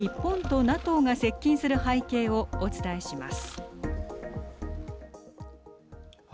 日本とＮＡＴＯが接近する背景をお伝えします。